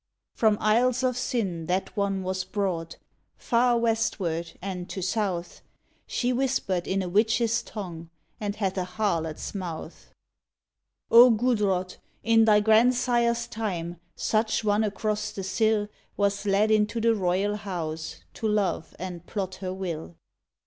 From isles of sin that one was brought, Far westward ard to south; She whispered in a witch s tongue And hath a harlot s mouth. O Gudrod ! in thy grandsire s time Such one across the sill Was led into the royal house To love, and plot her will.